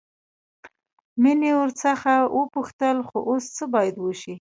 مينې ورڅخه وپوښتل خو اوس څه بايد وشي.